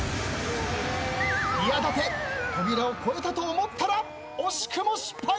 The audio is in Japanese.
宮舘扉を越えたと思ったら惜しくも失敗。